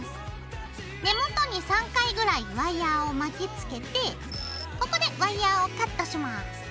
根元に３回ぐらいワイヤーを巻きつけてここでワイヤーをカットします。